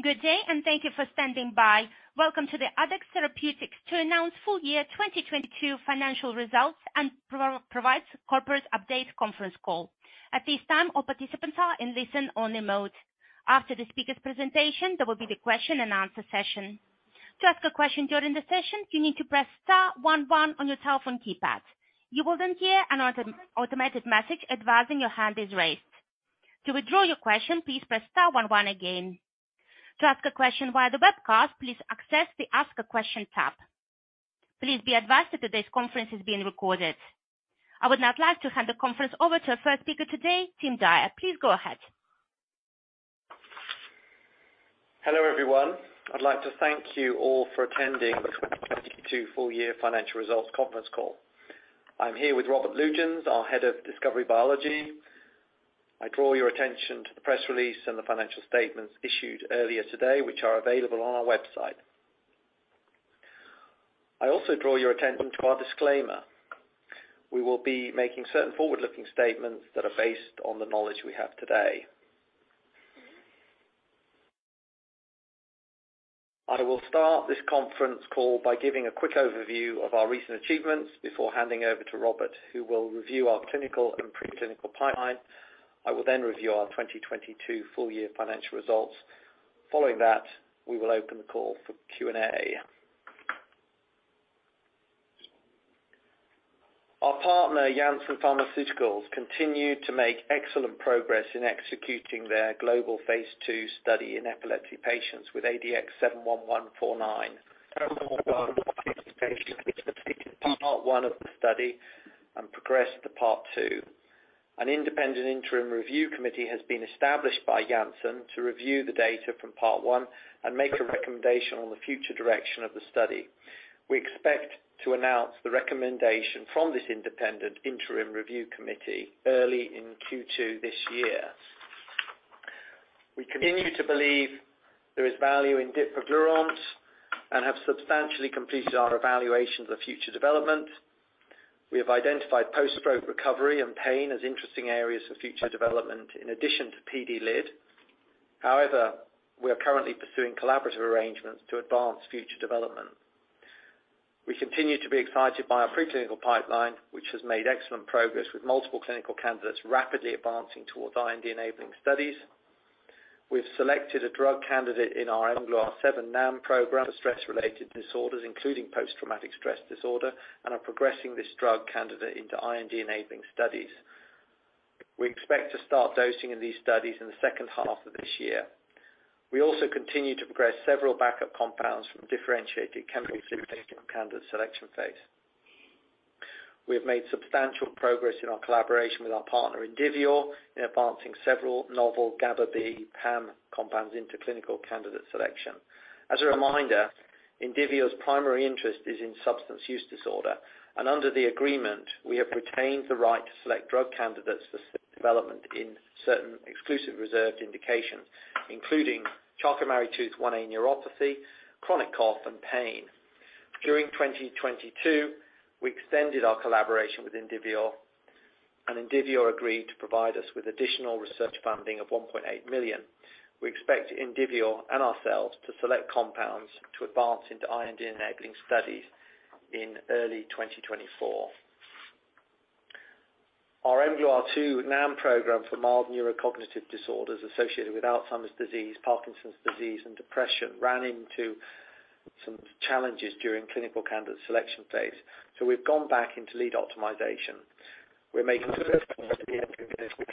Good day, thank you for standing by. Welcome to the Addex Therapeutics to announce full year 2022 financial results and provides corporate update conference call. At this time, all participants are in listen-only mode. After the speaker's presentation, there will be the question and answer session. To ask a question during the session, you need to press star one one on your telephone keypad. You will then hear an automated message advising your hand is raised. To withdraw your question, please press star one one again. To ask a question via the webcast, please access the Ask a Question tab. Please be advised that today's conference is being recorded. I would now like to hand the conference over to our first speaker today, Tim Dyer. Please go ahead. Hello, everyone. I'd like to thank you all for attending the 2022 full year financial results conference call. I'm here with Robert Lütjens, our Head of Discovery - Biology. I draw your attention to the press release and the financial statements issued earlier today, which are available on our website. I also draw your attention to our disclaimer. We will be making certain forward-looking statements that are based on the knowledge we have today. I will start this conference call by giving a quick overview of our recent achievements before handing over to Robert, who will review our clinical and preclinical pipeline. I will then review our 2022 full year financial results. Following that, we will open the call for Q&A. Our partner, Janssen Pharmaceuticals, continued to make excellent progress in executing their global phase II study in epilepsy patients with ADX71149. Several patients have completed part one of the study and progressed to part two. An independent interim review committee has been established by Janssen to review the data from part one and make a recommendation on the future direction of the study. We expect to announce the recommendation from this independent interim review committee early in Q2 this year. We continue to believe there is value in dipraglurant and have substantially completed our evaluations of future development. We have identified post-stroke recovery and pain as interesting areas for future development in addition to PD-LID. We are currently pursuing collaborative arrangements to advance future development. We continue to be excited by our pre-clinical pipeline, which has made excellent progress with multiple clinical candidates rapidly advancing towards IND-enabling studies. We've selected a drug candidate in our mGluR7 NAM program for stress-related disorders, including post-traumatic stress disorder, are progressing this drug candidate into IND-enabling studies. We expect to start dosing in these studies in the second half of this year. We also continue to progress several backup compounds from differentiated chemical selection candidate selection phase. We have made substantial progress in our collaboration with our partner, Indivior, in advancing several novel GABAB PAM compounds into clinical candidate selection. As a reminder, Indivior's primary interest is in substance use disorder. Under the agreement, we have retained the right to select drug candidates for development in certain exclusive reserved indications, including Charcot-Marie-Tooth 1A neuropathy, chronic cough, and pain. During 2022, we extended our collaboration with Indivior. Indivior agreed to provide us with additional research funding of 1.8 million. We expect Indivior and ourselves to select compounds to advance into IND-enabling studies in early 2024. Our mGluR2 NAM program for mild neurocognitive disorders associated with Alzheimer's disease, Parkinson's disease, and depression ran into some challenges during clinical candidate selection phase, so we've gone back into lead optimization. We're making progress at the end of this week.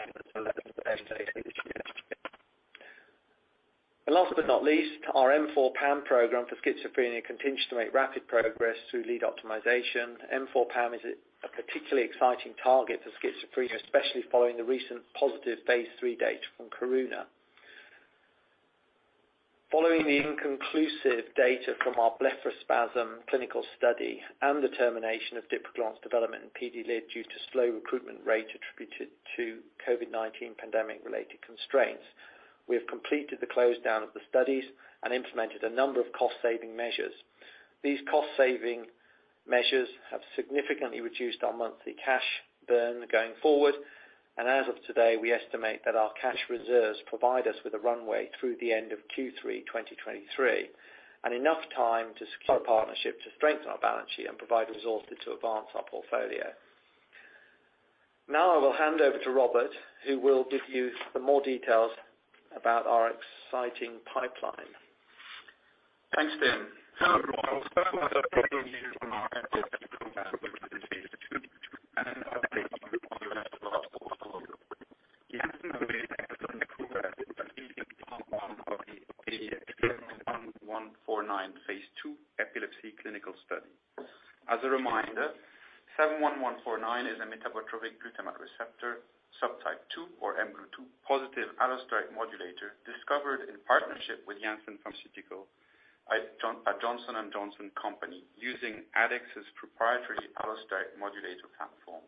Last but not least, our M4 PAM program for schizophrenia continues to make rapid progress through lead optimization. M4 PAM is a particularly exciting target for schizophrenia, especially following the recent positive phase 3 data from Karuna. Following the inconclusive data from our blepharospasm clinical study and the termination of dipraglurant's development in PD-LID due to slow recruitment rate attributed to COVID-19 pandemic related constraints, we have completed the close down of the studies and implemented a number of cost-saving measures. These cost-saving measures have significantly reduced our monthly cash burn going forward. As of today, we estimate that our cash reserves provide us with a runway through the end of Q3 2023, and enough time to secure a partnership to strengthen our balance sheet and provide resources to advance our portfolio. I will hand over to Robert, who will give you some more details about our exciting pipeline. Thanks, Tim. I will start with an update on our epilepsy program, which is in phase II, and an update on the rest of our portfolio. Janssen have recently completed recruiting part one of the ADX71149 phase II epilepsy clinical study. As a reminder, 71149 is a metabotropic glutamate receptor, subtype 2 or mGlu2 positive allosteric modulator discovered in partnership with Janssen Pharmaceuticals, a Johnson & Johnson company using Addex's proprietary allosteric modulator platform.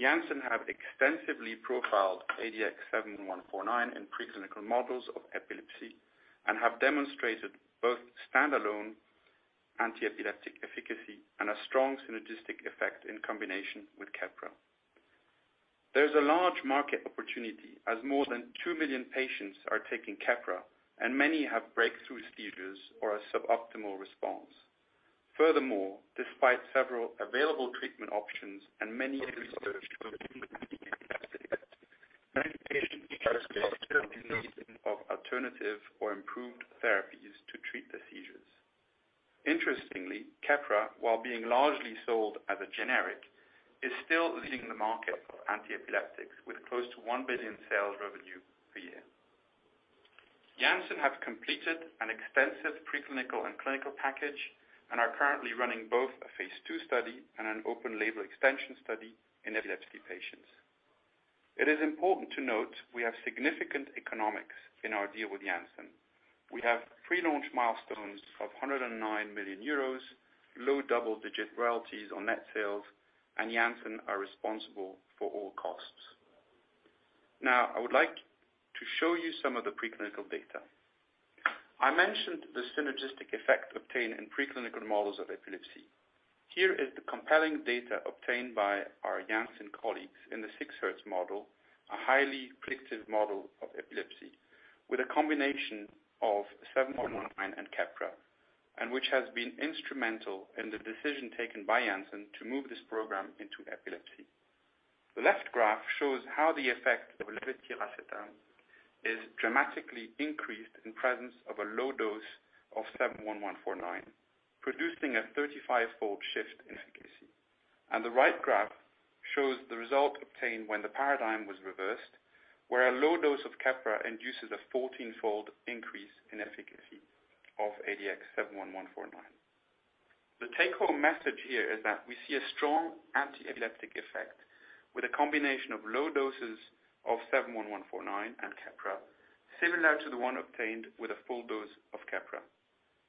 Janssen have extensively profiled ADX71149 in preclinical models of epilepsy and have demonstrated both standalone anti-epileptic efficacy and a strong synergistic effect in combination with Keppra. There's a large market opportunity as more than 2 million patients are taking Keppra and many have breakthrough seizures or a suboptimal response. Furthermore, despite several available treatment options and many in research of alternative or improved therapies to treat the seizures. Interestingly, Keppra, while being largely sold as a generic, is still leading the market for antiepileptics, with close to 1 billion sales revenue per year. Janssen have completed an extensive preclinical and clinical package and are currently running both a phase II study and an open label extension study in epilepsy patients. It is important to note we have significant economics in our deal with Janssen. We have pre-launch milestones of 109 million euros, low double-digit royalties on net sales, and Janssen are responsible for all costs. I would like to show you some of the preclinical data. I mentioned the synergistic effect obtained in pre-clinical models of epilepsy. Here is the compelling data obtained by our Janssen colleagues in the 6 Hz model, a highly predictive model of epilepsy with a combination of 71149 and Keppra, which has been instrumental in the decision taken by Janssen to move this program into epilepsy. The left graph shows how the effect of levetiracetam is dramatically increased in presence of a low dose of 71149, producing a 35-fold shift in efficacy. The right graph shows the result obtained when the paradigm was reversed, where a low dose of Keppra induces a 14-fold increase in efficacy of ADX71149. The take home message here is that we see a strong antiepileptic effect with a combination of low doses of 71149 and Keppra, similar to the one obtained with a full dose of Keppra.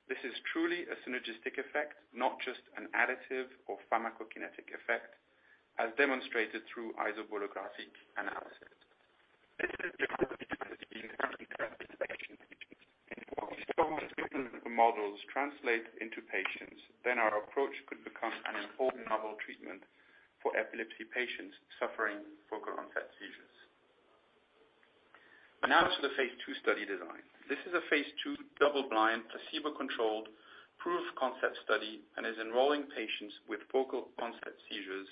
This is truly a synergistic effect, not just an additive or pharmacokinetic effect, as demonstrated through isobolographic analysis. If models translate into patients, then our approach could become an important novel treatment for epilepsy patients suffering focal onset seizures. To the phase II study design. This is a phase II double-blind, placebo-controlled proof concept study and is enrolling patients with focal onset seizures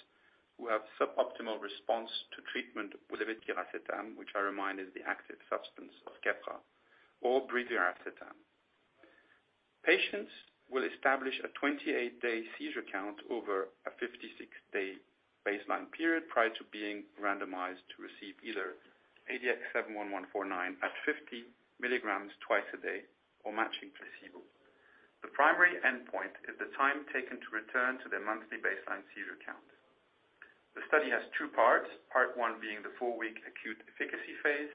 who have suboptimal response to treatment with levetiracetam, which I remind is the active substance of Keppra or brivaracetam. Patients will establish a 28-day seizure count over a 56-day baseline period, prior to being randomized to receive either ADX71149 at 50 mg twice a day or matching placebo. The primary endpoint is the time taken to return to their monthly baseline seizure count. The study has two parts, part one being the four-week acute efficacy phase,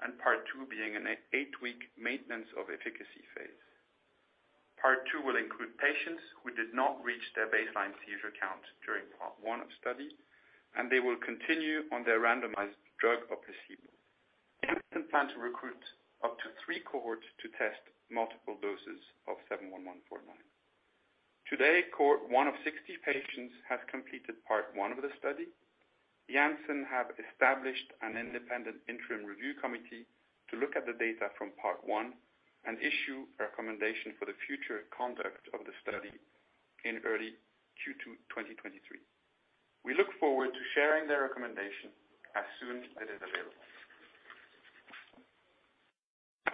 and part two being an eight-week maintenance of efficacy phase. Part two will include patients who did not reach their baseline seizure count during part one of study, and they will continue on their randomized drug or placebo. Janssen plan to recruit up to three cohorts to test multiple doses of 71149. Today, cohort one of 60 patients has completed part one of the study. Janssen have established an independent interim review committee to look at the data from part one and issue a recommendation for the future conduct of the study in early Q2, 2023. We look forward to sharing their recommendation as soon as it is available.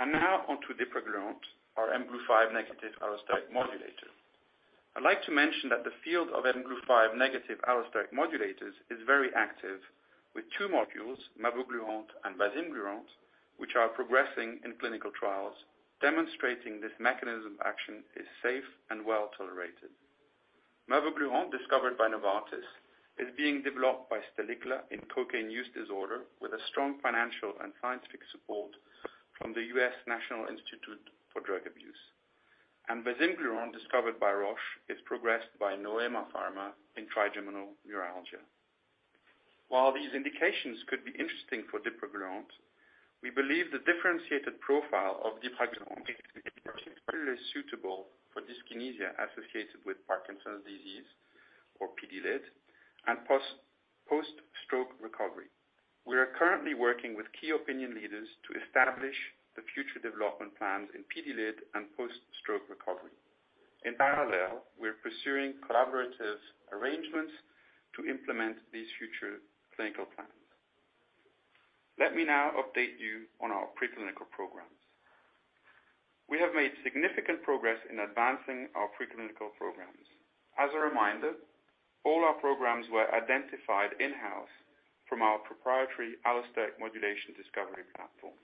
Now on to dipraglurant, our mGlu5 negative allosteric modulator. I'd like to mention that the field of mGlu5 negative allosteric modulators is very active with 2 modules, mavoglurant and basimglurant, which are progressing in clinical trials, demonstrating this mechanism action is safe and well tolerated. Mavoglurant, discovered by Novartis, is being developed by Stalicla in cocaine use disorder with a strong financial and scientific support from the U.S. National Institute on Drug Abuse. Basimglurant, discovered by Roche, is progressed by Noema Pharma in trigeminal neuralgia. While these indications could be interesting for dipraglurant, we believe the differentiated profile of dipraglurant is particularly suitable for dyskinesia associated with Parkinson's disease or PD-LID and post-stroke recovery. We are currently working with key opinion leaders to establish the future development plans in PD-LID and post-stroke recovery. In parallel, we're pursuing collaborative arrangements to implement these future clinical plans. Let me now update you on our preclinical programs. We have made significant progress in advancing our preclinical programs. As a reminder, all our programs were identified in-house from our proprietary allosteric modulation discovery platform.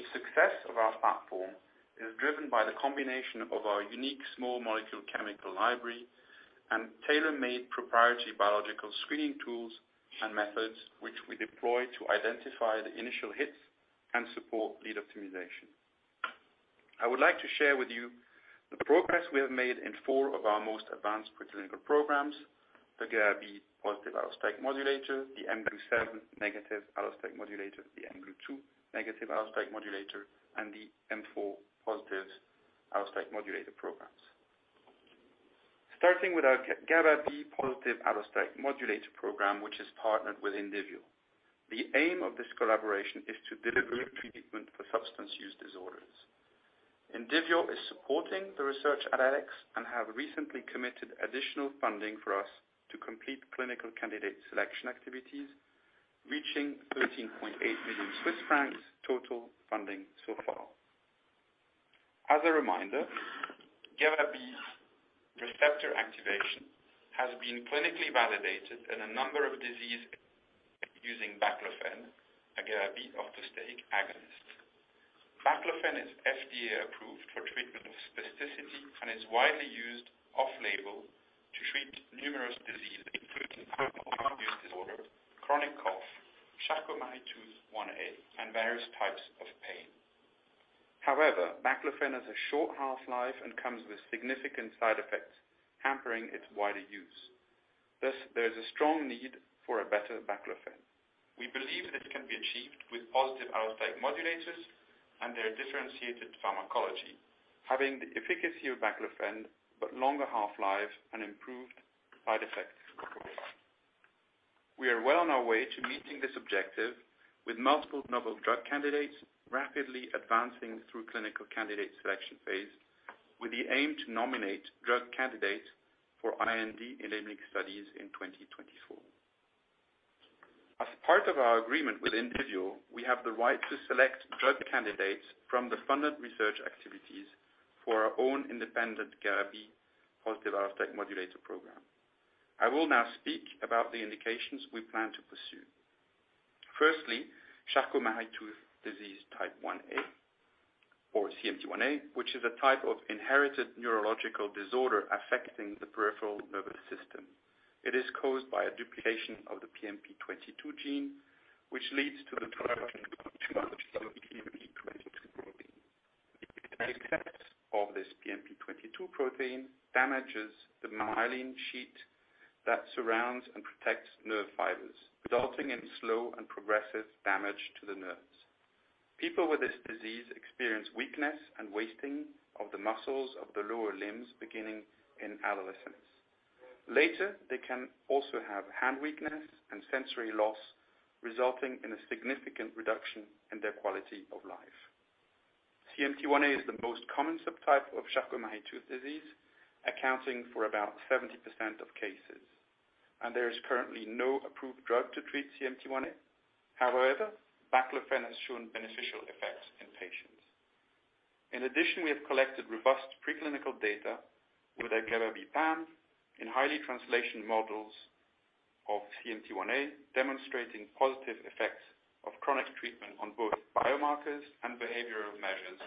The success of our platform is driven by the combination of our unique small molecule chemical library and tailor-made proprietary biological screening tools and methods, which we deploy to identify the initial hits and support lead optimization. I would like to share with you the progress we have made in four of our most advanced preclinical programs, the GABAB positive allosteric modulator, the mGlu7 negative allosteric modulator, the mGlu2 negative allosteric modulator, and the M4 positive allosteric modulator programs. Our GABAB positive allosteric modulator program, which is partnered with Indivior. The aim of this collaboration is to deliver treatment for substance use disorders. Indivior is supporting the research at Addex and have recently committed additional funding for us to complete clinical candidate selection activities, reaching 13.8 million Swiss francs total funding so far. As a reminder, GABAB's receptor activation has been clinically validated in a number of disease using baclofen, a GABAB allosteric agonist. Baclofen is FDA-approved for treatment of spasticity and is widely used off-label to treat numerous diseases, including alcohol use disorder, chronic cough, Charcot-Marie-Tooth 1A, and various types of pain. However, Baclofen has a short half-life and comes with significant side effects, hampering its wider use. Thus, there is a strong need for a better baclofen. We believe this can be achieved with positive allosteric modulators and their differentiated pharmacology, having the efficacy of Baclofen but longer half-life and improved side effects profile. We are well on our way to meeting this objective with multiple novel drug candidates rapidly advancing through clinical candidate selection phase with the aim to nominate drug candidates for IND-enabling studies in 2024. As part of our agreement with Indivior, we have the right to select drug candidates from the funded research activities for our own independent GABAB positive allosteric modulator program. I will now speak about the indications we plan to pursue. Firstly, Charcot-Marie-Tooth disease type 1A, or CMT1A, which is a type of inherited neurological disorder affecting the peripheral nervous system. It is caused by a duplication of the PMP22 gene, which leads to the production of too much of the PMP22 protein. Excess of this PMP22 protein damages the myelin sheath that surrounds and protects nerve fibers, resulting in slow and progressive damage to the nerves. People with this disease experience weakness and wasting of the muscles of the lower limbs beginning in adolescence. Later, they can also have hand weakness and sensory loss, resulting in a significant reduction in their quality of life. CMT1A is the most common subtype of Charcot-Marie-Tooth disease, accounting for about 70% of cases. There is currently no approved drug to treat CMT1A. However, baclofen has shown beneficial effects in patients. In addition, we have collected robust preclinical data with our GABAB PAM in highly translation models of CMT1A, demonstrating positive effects of chronic treatment on both biomarkers and behavioral measures,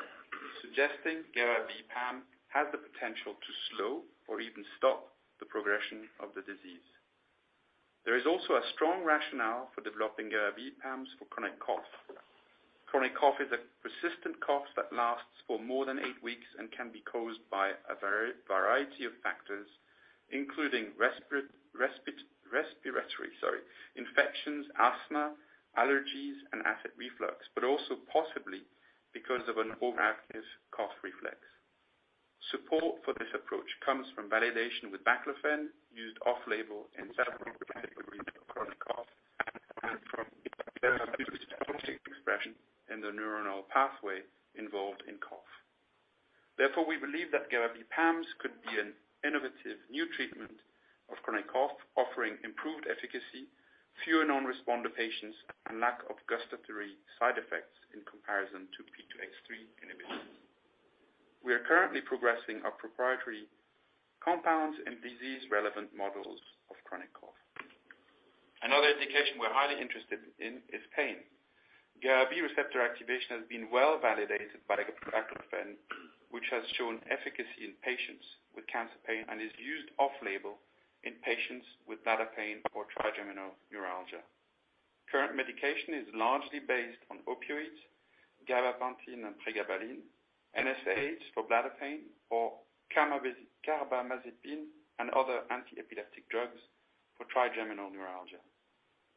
suggesting GABAB PAM has the potential to slow or even stop the progression of the disease. There is also a strong rationale for developing GABAB PAMs for chronic cough. Chronic cough is a persistent cough that lasts for more than eight weeks and can be caused by a variety of factors, including respiratory, sorry, infections, asthma, allergies, and acid reflux, but also possibly because of an overactive cough reflex. Support for this approach comes from validation with baclofen used off-label in several categories of chronic cough and from GABAB expression in the neuronal pathway involved in cough. We believe that GABAB PAMs could be an innovative new treatment of chronic cough, offering improved efficacy, fewer non-responder patients, and lack of gustatory side effects in comparison to P2X3 inhibitors. We are currently progressing our proprietary compounds in disease-relevant models of chronic cough. Another indication we're highly interested in is pain. GABAB receptor activation has been well-validated by Baclofen, which has shown efficacy in patients with cancer pain and is used off-label in patients with bladder pain or trigeminal neuralgia. Current medication is largely based on opioids, gabapentin and pregabalin, NSAIDs for bladder pain, or carbamazepine and other anti-epileptic drugs for trigeminal neuralgia.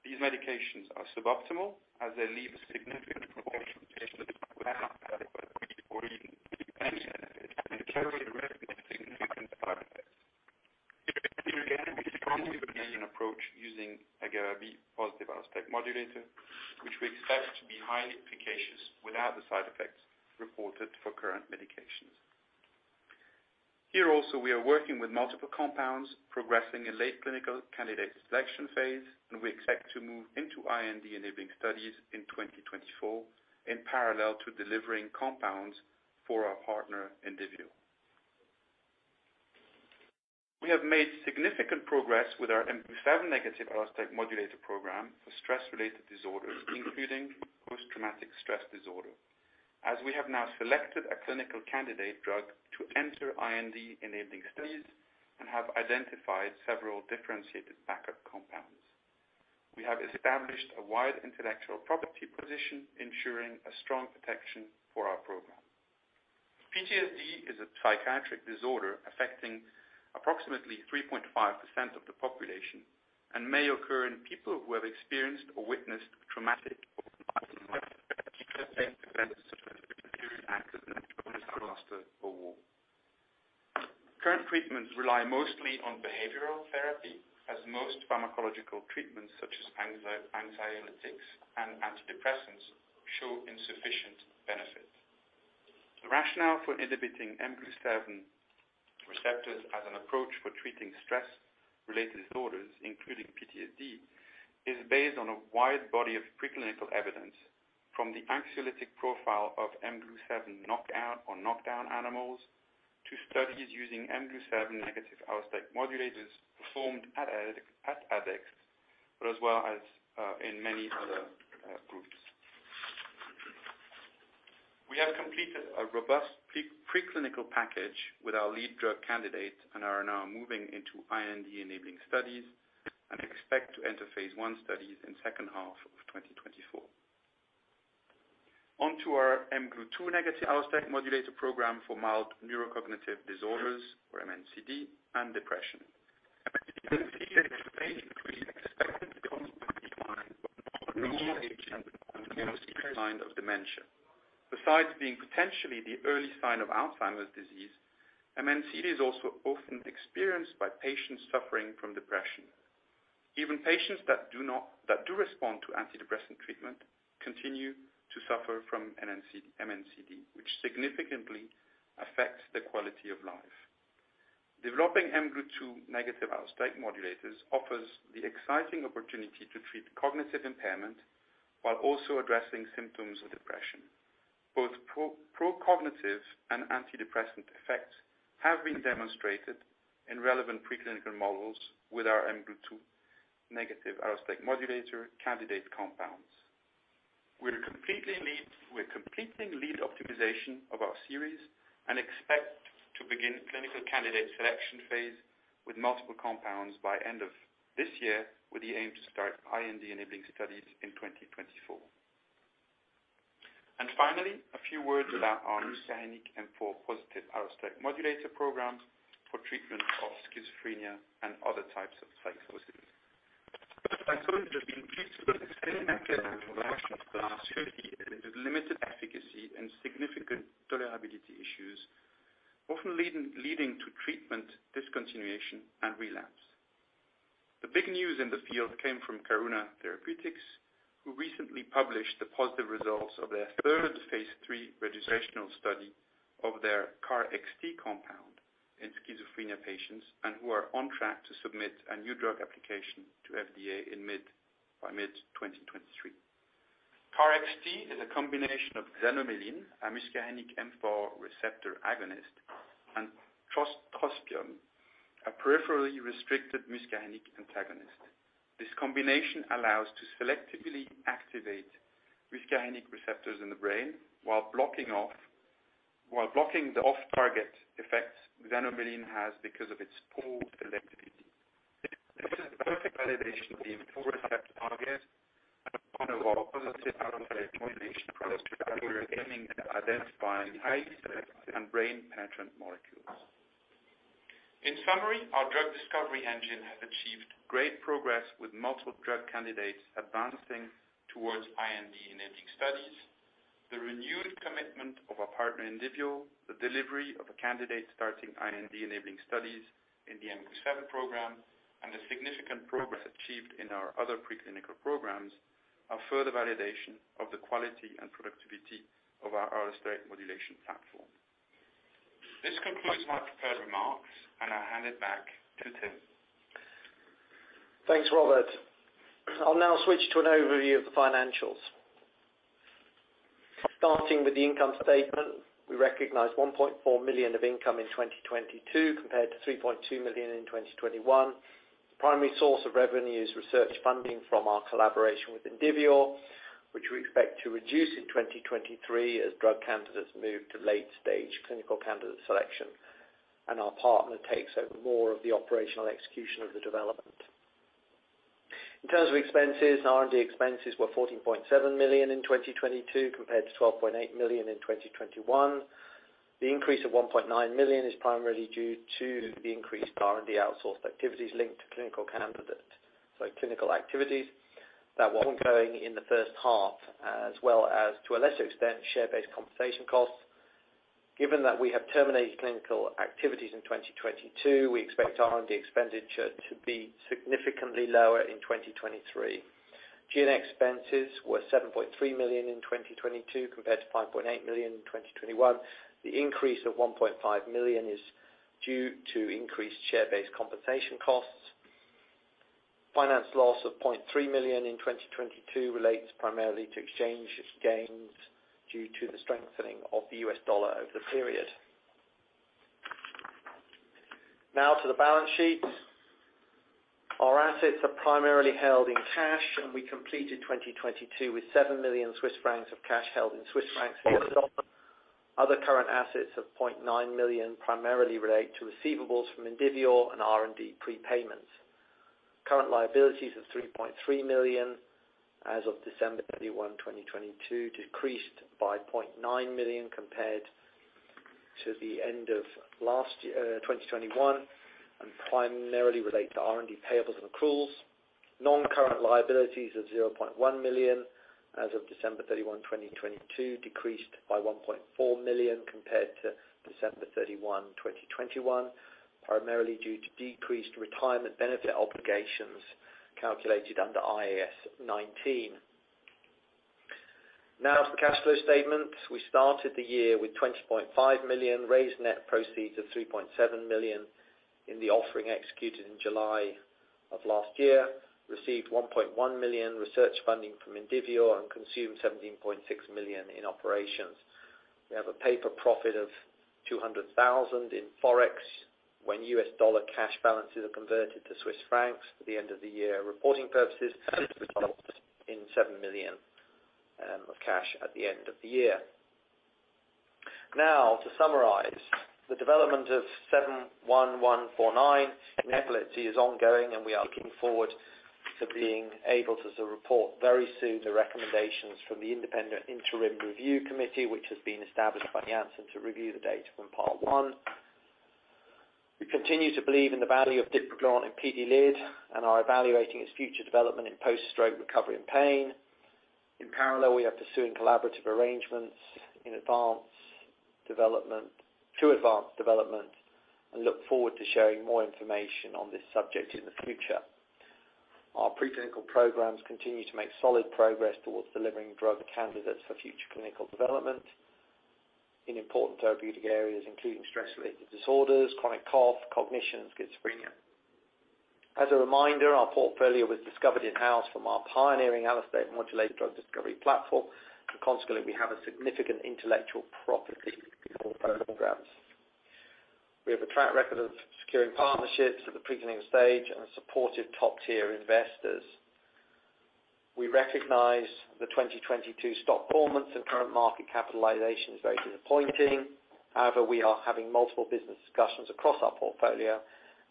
These medications are suboptimal as they leave a significant proportion of patients without adequate or even any benefit and carry a risk of significant side effects. Here again, we strongly believe an approach using a GABAB positive allosteric modulator, which we expect to be highly efficacious without the side effects reported for current medications. Here also, we are working with multiple compounds progressing in late clinical candidate selection phase. We expect to move into IND-enabling studies in 2024 in parallel to delivering compounds for our partner, Indivior. We have made significant progress with our mGlu7 negative allosteric modulator program for stress-related disorders, including post-traumatic stress disorder, as we have now selected a clinical candidate drug to enter IND-enabling studies and have identified several differentiated backup compounds. We have established a wide intellectual property position, ensuring a strong protection for our program. PTSD is a psychiatric disorder affecting approximately 3.5% of the population and may occur in people who have experienced or witnessed traumatic or events such as a serious accident, natural disaster, or war. Current treatments rely mostly on behavioral therapy as most pharmacological treatments such as anxiolytics and antidepressants show insufficient benefit. The rationale for inhibiting mGlu7 receptors as an approach for treating stress-related disorders, including PTSD, is based on a wide body of preclinical evidence from the anxiolytic profile of mGlu7 knockout or knockdown animals to studies using mGlu7 negative allosteric modulators performed at Addex, but as well as in many other groups. We have completed a robust preclinical package with our lead drug candidate and are now moving into IND-enabling studies and expect to enter phase one studies in second half of 2024. Onto our mGlu2 negative allosteric modulator program for mild neurocognitive disorders or MNCD and depression. MNCD is a vague term expected to correspond with decline but not limited to cognitive impairment. Besides being potentially the early sign of Alzheimer's disease, MNCD is also often experienced by patients suffering from depression. Even patients that do respond to antidepressant treatment continue to suffer from MNCD, which significantly affects their quality of life. Developing mGlu2 negative allosteric modulators offers the exciting opportunity to treat cognitive impairment while also addressing symptoms of depression. Both procognitive and antidepressant effects have been demonstrated in relevant preclinical models with our mGlu2 negative allosteric modulator candidate compounds. We're completing lead optimization of our series and expect to begin clinical candidate selection phase with multiple compounds by end of this year, with the aim to start IND-enabling studies in 2024. Finally, a few words about our muscarinic M4 positive allosteric modulator programs for treatment of schizophrenia and other types of psychosis. Psychotic diseases increased with a steady lack of actual options for the last 50 years with limited efficacy and significant tolerability issues, often leading to treatment discontinuation and relapse. The big news in the field came from Karuna Therapeutics, who recently published the positive results of their third phase 3 registrational study of their KarXT compound in schizophrenia patients and who are on track to submit a New Drug Application to FDA by mid-2023. KarXT is a combination of xanomeline, a muscarinic M4 receptor agonist, and trospium, a peripherally restricted muscarinic antagonist. This combination allows to selectively activate muscarinic receptors in the brain while blocking the off-target effects xanomeline has because of its poor selectivity. This is a perfect validation of the M4 receptor target and upon our positive allosteric modulation approach that we are aiming at identifying highly selective and brain penetrant molecules. In summary, our drug discovery engine has achieved great progress with multiple drug candidates advancing towards IND-enabling studies. The renewed commitment of our partner, Indivior, the delivery of a candidate starting IND-enabling studies in the mGlu7 program, and the significant progress achieved in our other preclinical programs are further validation of the quality and productivity of our allosteric modulation platform. This concludes my prepared remarks, and I hand it back to Tim. Thanks, Robert. I'll now switch to an overview of the financials. Starting with the income statement. We recognized 1.4 million of income in 2022, compared to 3.2 million in 2021. The primary source of revenue is research funding from our collaboration with Indivior, which we expect to reduce in 2023 as drug candidates move to late-stage clinical candidate selection and our partner takes over more of the operational execution of the development. In terms of expenses, R&D expenses were 14.7 million in 2022, compared to 12.8 million in 2021. The increase of 1.9 million is primarily due to the increased R&D outsourced activities linked to clinical candidates, so clinical activities that were ongoing in the first half, as well as, to a lesser extent, share-based compensation costs. Given that we have terminated clinical activities in 2022, we expect R&D expenditure to be significantly lower in 2023. GN expenses were 7.3 million in 2022, compared to 5.8 million in 2021. The increase of 1.5 million is due to increased share-based compensation costs. Finance loss of 0.3 million in 2022 relates primarily to exchange gains due to the strengthening of the US dollar over the period. Now to the balance sheet. Our assets are primarily held in cash, and we completed 2022 with 7 million Swiss francs of cash held in Swiss francs and US dollars. Other current assets of 0.9 million primarily relate to receivables from Indivior and R&D prepayments. Current liabilities of 3.3 million as of December 31, 2022, decreased by 0.9 million compared to the end of last year, 2021, primarily relate to R&D payables and accruals. Non-current liabilities of 0.1 million as of December 31, 2022, decreased by 1.4 million compared to December 31, 2021, primarily due to decreased retirement benefit obligations calculated under IAS 19. To the cash flow statement. We started the year with 20.5 million, raised net proceeds of 3.7 million in the offering executed in July of last year. Received 1.1 million research funding from Indivior, consumed 17.6 million in operations. We have a paper profit of 200,000 in Forex when U.S. dollar cash balances are converted to Swiss francs at the end of the year reporting purposes. This results in 7 million of cash at the end of the year. To summarize, the development of ADX71149 in epilepsy is ongoing, and we are looking forward to being able to sort of report very soon the recommendations from the independent interim review committee, which has been established by Janssen to review the data from part one. We continue to believe in the value of dipraglurant in PD-LID and are evaluating its future development in post-stroke recovery and pain. In parallel, we are pursuing collaborative arrangements to advance development and look forward to sharing more information on this subject in the future. Our preclinical programs continue to make solid progress towards delivering drug candidates for future clinical development in important therapeutic areas including stress-related disorders, chronic cough, cognition, and schizophrenia. As a reminder, our portfolio was discovered in-house from our pioneering allosteric modulator drug discovery platform. Consequently, we have a significant intellectual property for our programs. We have a track record of securing partnerships at the pre-clinical stage and supportive top-tier investors. We recognize the 2022 stock performance and current market capitalization is very disappointing. We are having multiple business discussions across our portfolio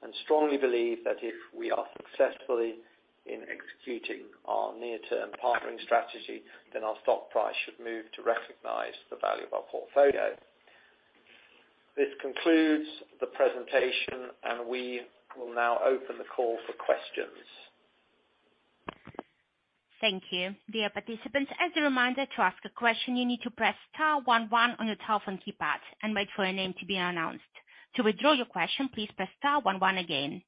and strongly believe that if we are successfully in executing our near-term partnering strategy, our stock price should move to recognize the value of our portfolio. This concludes the presentation. We will now open the call for questions. Thank you. Dear participants, as a reminder, to ask a question, you need to press star one one on your telephone keypad and wait for your name to be announced. To withdraw your question, please press star one one again.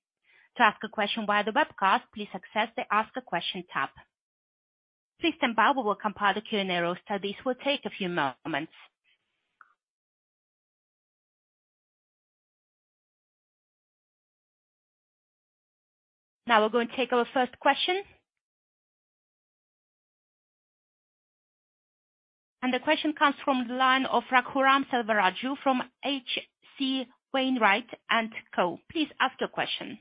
To ask a question via the webcast, please access the Ask a Question tab. Please stand by, we will compile the Q&A roster. This will take a few moments. We'll go and take our first question. The question comes from the line of Raghuram Selvaraju from H.C. Wainwright & Co. Please ask your question.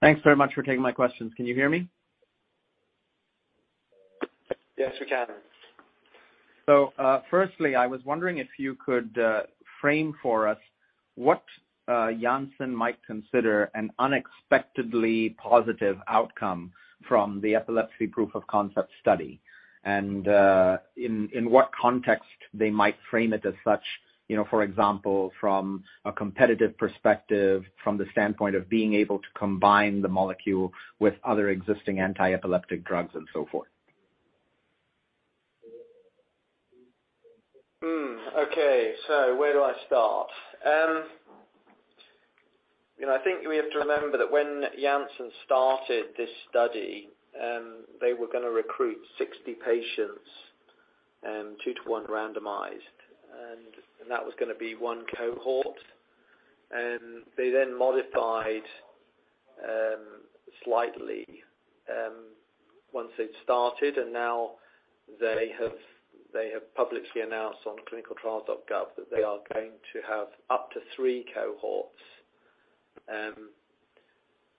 Thanks very much for taking my questions. Can you hear me? Yes, we can. Firstly, I was wondering if you could frame for us what Janssen might consider an unexpectedly positive outcome from the epilepsy proof of concept study? In what context they might frame it as such, you know, for example, from a competitive perspective, from the standpoint of being able to combine the molecule with other existing anti-epileptic drugs and so forth? Okay. Where do I start? You know, I think we have to remember that when Janssen started this study, they were going to recruit 60 patients, 2-1 randomized. That was going to be one cohort. They then modified slightly once it started, now they have publicly announced on clinicaltrials.gov that they are going to have up to 3 cohorts.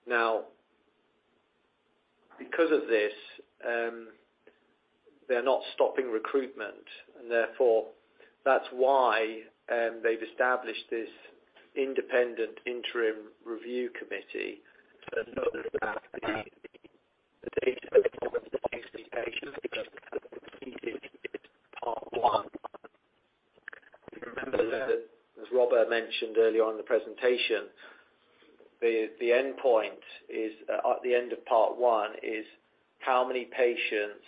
Now because of this, they're not stopping recruitment, therefore that's why they've established this independent interim review committee to look at the data that expectations because it's part one. Remember that as Robert mentioned earlier in the presentation, the endpoint is at the end of part one is how many patients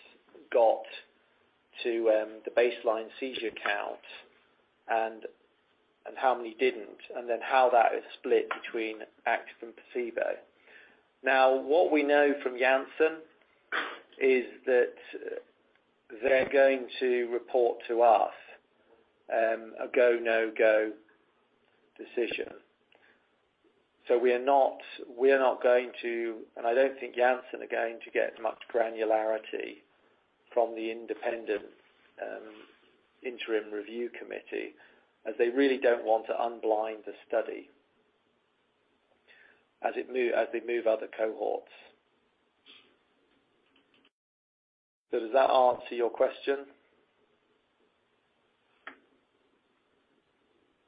got to the baseline seizure count and how many didn't, and then how that is split between active and placebo. What we know from Janssen is that they're going to report to us a go, no-go decision. We are not going to, and I don't think Janssen are going to get much granularity from the independent interim review committee, as they really don't want to unblind the study as they move other cohorts. Does that answer your question?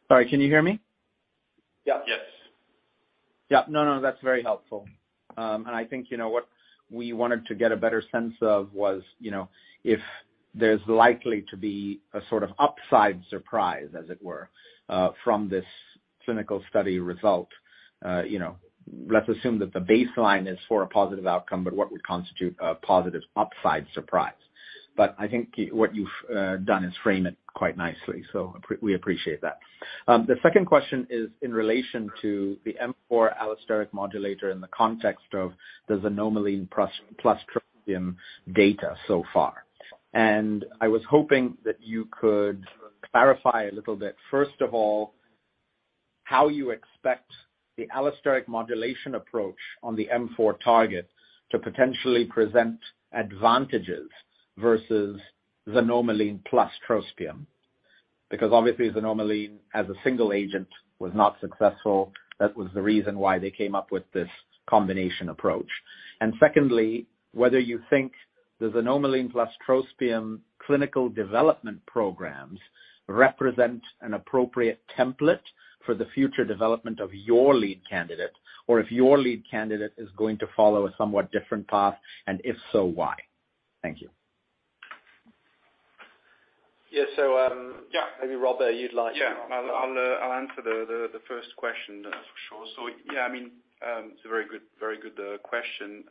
Sorry, can you hear me? Yes. No, that's very helpful. I think, you know, what we wanted to get a better sense of was, you know, if there's likely to be a sort of upside surprise, as it were, from this clinical study result. You know, let's assume that the baseline is for a positive outcome, what would constitute a positive upside surprise? I think what you've done is frame it quite nicely, so we appreciate that. The second question is in relation to the M4 allosteric modulator in the context of the xanomeline plus trospium data so far. I was hoping that you could clarify a little bit, first of all, how you expect the allosteric modulation approach on the M4 target to potentially present advantages versus xanomeline plus trospium. Because obviously xanomeline as a single agent was not successful. That was the reason why they came up with this combination approach. Secondly, whether you think the xanomeline plus Trospium clinical development programs represent an appropriate template for the future development of your lead candidate, or if your lead candidate is going to follow a somewhat different path, and if so, why? Thank you. Yeah. Yeah. Maybe, Robert, you'd like. Yeah. I'll answer the first question for sure. Yeah, I mean, it's a very good question.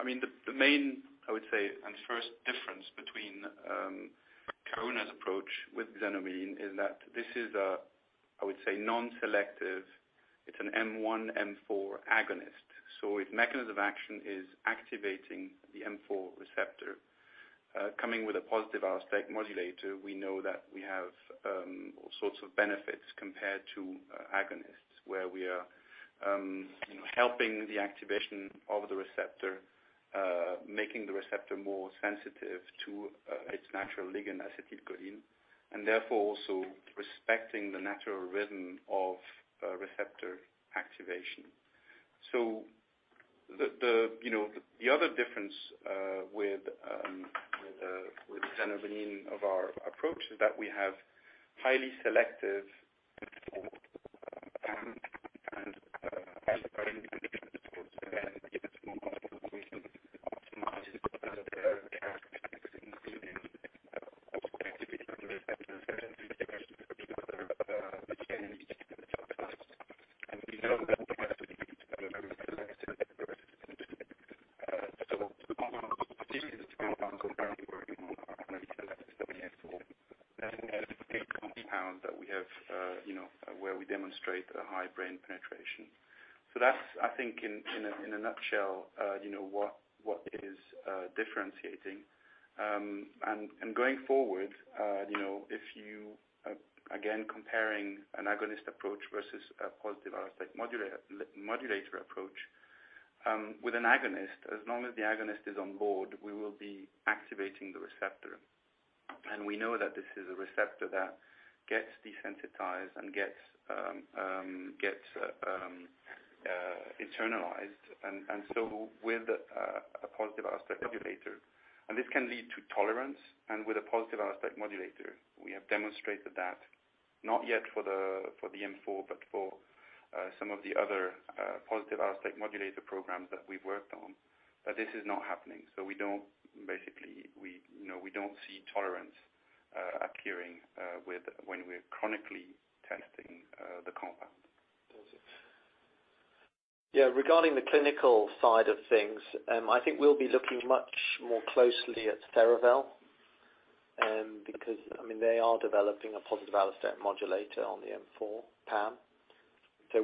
I mean, the main, I would say, and first difference between Karuna's approach with xanomeline is that this is a, I would say non-selective. It's an M1, M4 agonist. Its mechanism of action is activating the M4 receptor. Coming with a positive allosteric modulator, we know that we have all sorts of benefits compared to agonists where we are, you know, helping the activation of the receptor, making the receptor more sensitive to its natural ligand acetylcholine, and therefore also respecting the natural rhythm of receptor activation. The, you know, the other difference, with xanomeline of our approach is that we have highly [inaudible] selective that we have, you know, where we demonstrate a high brain penetration. That's, I think in a nutshell, you know, what is differentiating. Going forward, you know, if you, again, comparing an agonist approach versus a positive allosteric modulator approach, with an agonist, as long as the agonist is on board, we will be activating the receptor. We know that this is a receptor that gets desensitized and gets internalized. So with a positive allosteric regulator. This can lead to tolerance. With a positive allosteric modulator, we have demonstrated that, not yet for the, for the M4, but for some of the other positive allosteric modulator programs that we've worked on, that this is not happening. We don't, basically, we, you know, we don't see tolerance appearing when we are chronically testing the compound. Yeah. Regarding the clinical side of things, I think we'll be looking much more closely at Cerevel, because, I mean, they are developing a positive allosteric modulator on the M4 PAM.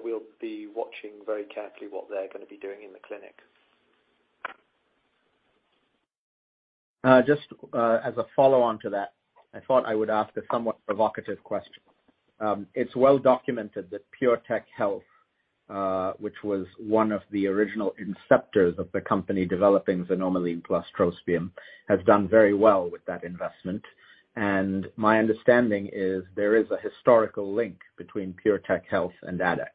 We'll be watching very carefully what they're gonna be doing in the clinic. Just as a follow on to that, I thought I would ask a somewhat provocative question. It's well documented that PureTech Health, which was one of the original inceptors of the company developing xanomeline plus trospium, has done very well with that investment. My understanding is there is a historical link between PureTech Health and Addex.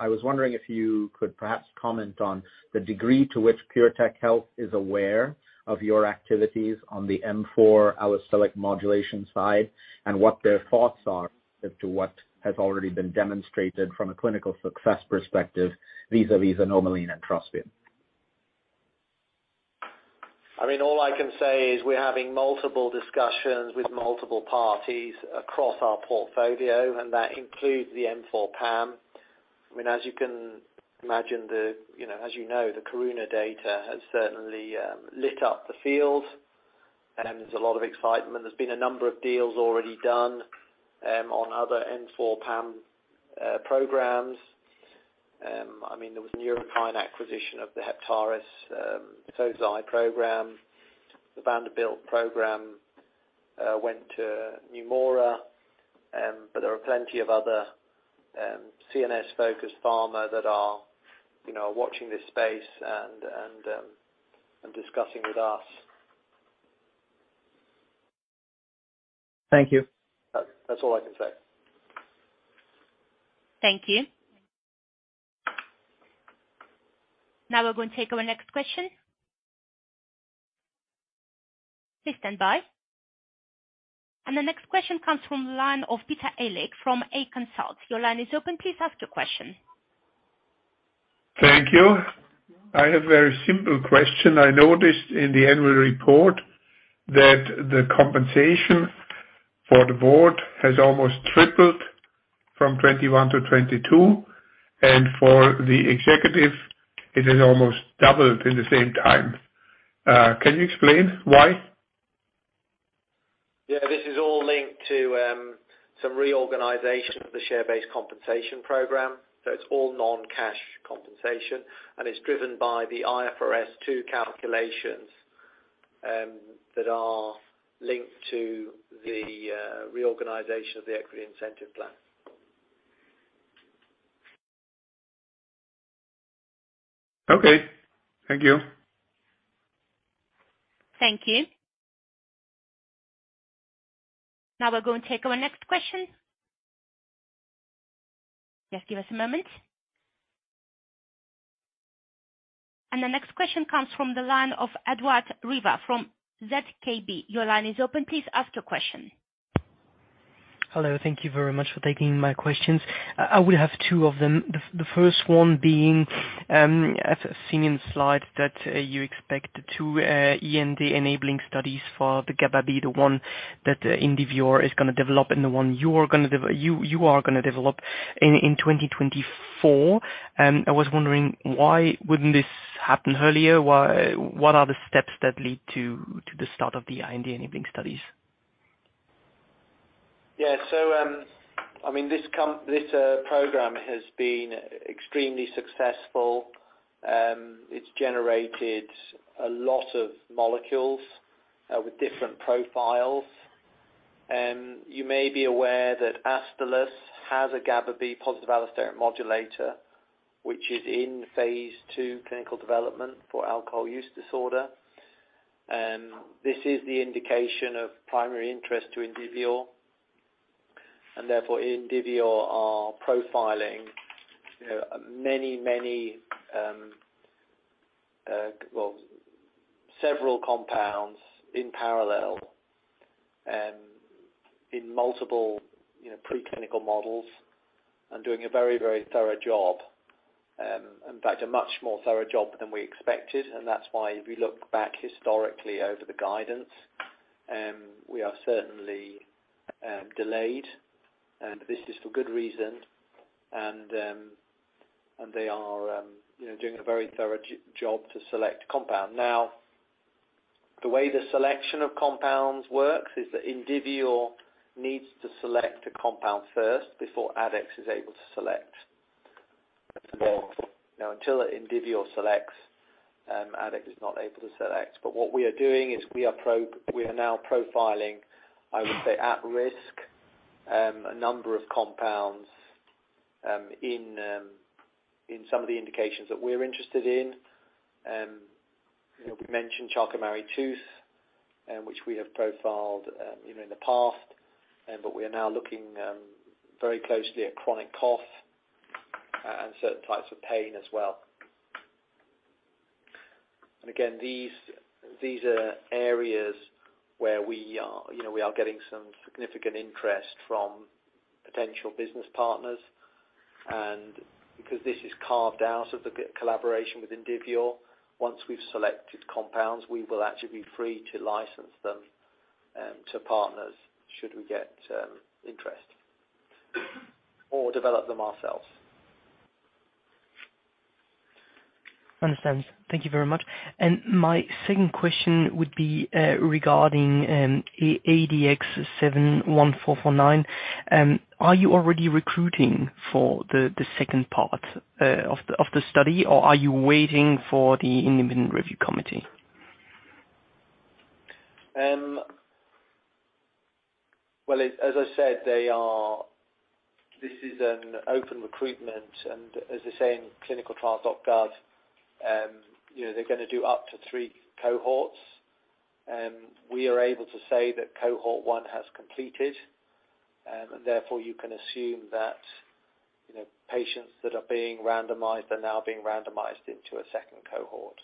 I was wondering if you could perhaps comment on the degree to which PureTech Health is aware of your activities on the M4 allosteric modulation side, and what their thoughts are as to what has already been demonstrated from a clinical success perspective vis-a-vis xanomeline and trospium. I mean, all I can say is we're having multiple discussions with multiple parties across our portfolio. That includes the M4 PAM. I mean, as you can imagine, you know, as you know, the Karuna data has certainly lit up the field. There's a lot of excitement. There's been a number of deals already done on other M4 PAM programs. I mean, there was Neurocrine acquisition of the Heptares Sosei program. The Vanderbilt program went to Neumora. There are plenty of other CNS-focused pharma that are, you know, watching this space and discussing with us. Thank you. That's all I can say. Thank you. Now we're going to take our next question. Please stand by. The next question comes from the line of [Peter Elliker] from AConsult. Your line is open. Please ask your question. Thank you. I have very simple question. I noticed in the annual report that the compensation for the board has almost tripled from 21 to 22, and for the executive, it has almost doubled in the same time. Can you explain why? This is all linked to some reorganization of the share-based compensation program, so it's all non-cash compensation, and it's driven by the IFRS 2 calculations that are linked to the reorganization of the equity incentive plan. Okay. Thank you. Thank you. Now we're going to take our next question. Just give us a moment. The next question comes from the line of Edouard Riva from ZKB. Your line is open. Please ask your question. Hello. Thank you very much for taking my questions. I would have two of them. The first one being, as I've seen in the slide that you expect 2 IND-enabling studies for the GABAB, the one that Indivior is gonna develop and the one you are gonna develop in 2024. I was wondering why wouldn't this happen earlier? What are the steps that lead to the start of the IND-enabling studies? This program has been extremely successful. It's generated a lot of molecules with different profiles. You may be aware that Astellas has a GABA-B positive allosteric modulator, which is in phase two clinical development for alcohol use disorder. This is the indication of primary interest to Indivior are profiling many, several compounds in parallel and in multiple preclinical models and doing a very thorough job. In fact, a much more thorough job than we expected. If we look back historically over the guidance, we are certainly delayed, and this is for good reason. They are doing a very thorough job to select compound. Now, the way the selection of compounds works is that Indivior needs to select a compound first before Addex is able to select. Now, until Indivior selects, Addex is not able to select. What we are doing is we are now profiling, I would say, at risk, a number of compounds, in some of the indications that we're interested in. You know, we mentioned Charcot-Marie-Tooth, which we have profiled, you know, in the past, but we are now looking very closely at chronic cough, and certain types of pain as well. Again, these are areas where we are getting some significant interest from potential business partners. Because this is carved out of the collaboration with Indivior, once we've selected compounds, we will actually be free to license them to partners should we get interest or develop them ourselves. Understand. Thank you very much. My second question would be, regarding ADX71149. Are you already recruiting for the second part of the study, or are you waiting for the independent review committee? Well, as I said, this is an open recruitment, and as they say in clinicaltrials.gov, you know, they're gonna do up to three cohorts. We are able to say that cohort one has completed, and therefore you can assume that, you know, patients that are being randomized are now being randomized into a second cohort.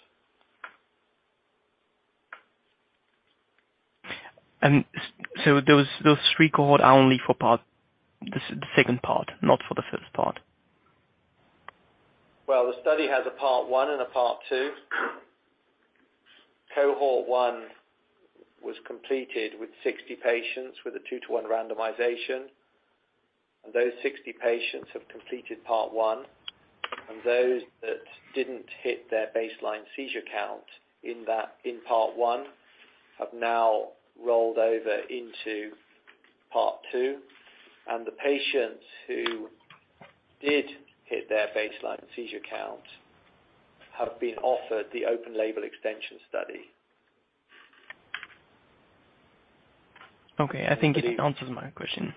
Those three cohort are only for part the second part, not for the first part. Well, the study has a part one and a part two. Cohort one was completed with 60 patients with a 2 to 1 randomization. Those 60 patients have completed part one. Those that didn't hit their baseline seizure count in part one, have now rolled over into part two. The patients who did hit their baseline seizure count have been offered the open label extension study. Okay. I think it answers my question.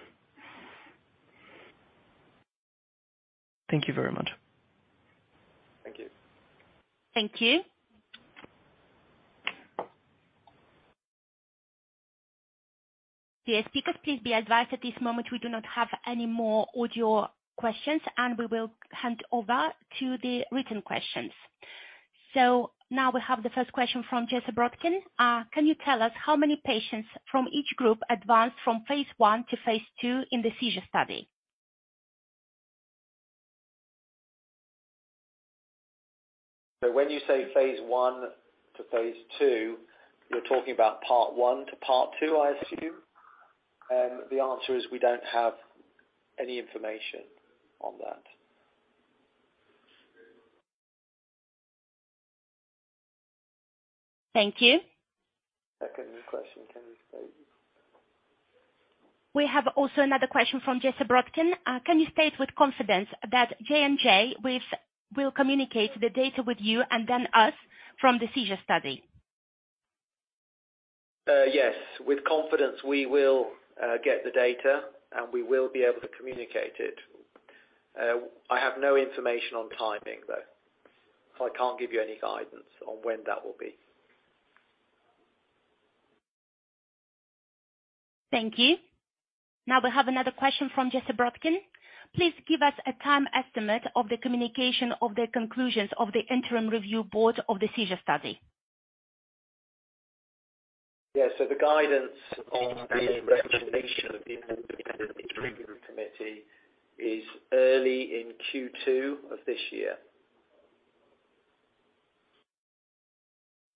Thank you very much. Thank you. Thank you. Dear speakers, please be advised at this moment we do not have any more audio questions. We will hand over to the written questions. Now we have the first question from Jelle Broekhuis. Can you tell us how many patients from each group advanced from phase I to phase II in the seizure study? When you say phase I to phase II, you're talking about part one to part two, I assume. The answer is we don't have any information on that. Thank you. Second question. We have also another question from Jelle Broekhuis. Can you state with confidence that J&J will communicate the data with you and then us from the seizure study? Yes, with confidence we will get the data, and we will be able to communicate it. I have no information on timing, though. I can't give you any guidance on when that will be. Thank you. We have another question from Jelle Broekhuis. Please give us a time estimate of the communication of the conclusions of the interim review board of the seizure study. Yeah. The guidance on any recommendation of the independent review committee is early in Q2 of this year.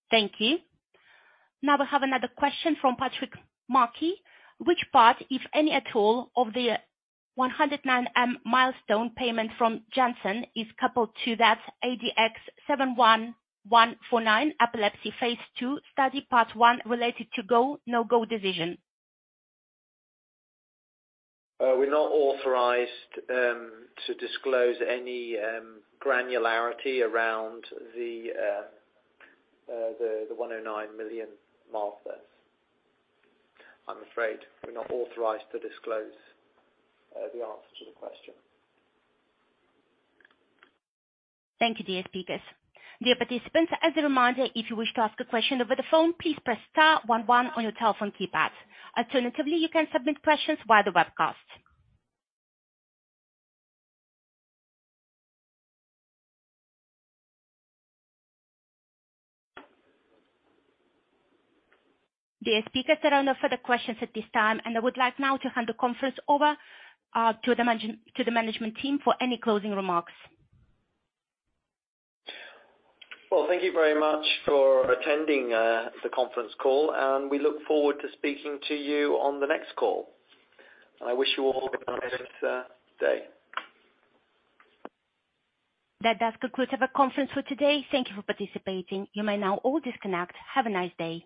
Thank you. Now we have another question from Patrick Macheret. Which part, if any at all, of the 109 million milestone payment from Janssen is coupled to that ADX71149 epilepsy phase II study part one related to go, no-go decision? We're not authorized to disclose any granularity around the 109 million milestone. I'm afraid we're not authorized to disclose the answer to the question. Thank you, dear speakers. Dear participants, as a reminder, if you wish to ask a question over the phone, please press star one one on your telephone keypad. Alternatively, you can submit questions via the webcast. Dear speakers, there are no further questions at this time, and I would like now to hand the conference over to the management team for any closing remarks. Well, thank you very much for attending the conference call, and we look forward to speaking to you on the next call. I wish you all a nice day. That does conclude our conference for today. Thank Thank you for participating. You may now all disconnect. Have a nice day.